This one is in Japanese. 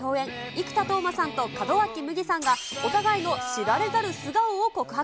生田斗真さんと門脇麦さんが、お互いの知られざる素顔を告白。